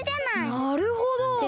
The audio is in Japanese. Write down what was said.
なるほど！